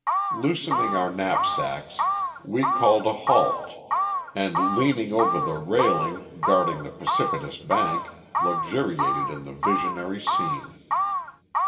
Loosening our knapsacks, we called a halt and, leaning over the railing guarding the precipitous bank, luxuriated in the visionary scene.